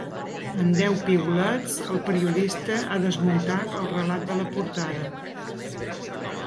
En deu piulets, el periodista ha desmuntat el relat de la portada.